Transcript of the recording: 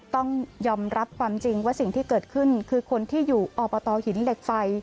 ต้องยอมรับความจริงว่าสิ่งที่เกิดขึ้นคือคนที่อยู่อบตหินเหล็กไฟ